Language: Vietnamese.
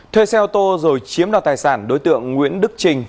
thuê xe ô tô rồi chiếm đoạt tài sản đối tượng nguyễn đức trình